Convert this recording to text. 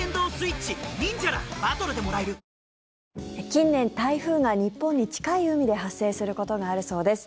近年、台風が日本に近い海で発生することがあるそうです。